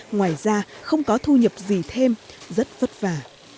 ngoài ra không có thu nhập gì thêm rất vất vả